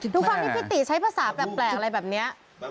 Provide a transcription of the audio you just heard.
ทุกครั้งที่พี่ติใช้ภาษาแปลกอะไรแบบนี้